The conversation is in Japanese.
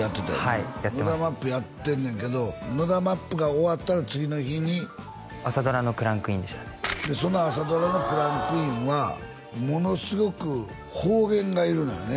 はいやってましたＮＯＤＡ・ＭＡＰやってんねんけどＮＯＤＡ・ＭＡＰが終わったら次の日に朝ドラのクランクインでしたねでその朝ドラのクランクインはものすごく方言がいるのよね？